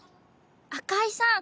赤井さん。